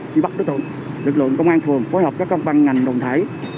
chỉ bắt đối tượng lực lượng công an phường phối hợp các văn ngành đồng thể